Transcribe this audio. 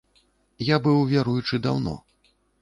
Я быў веруючы даўно.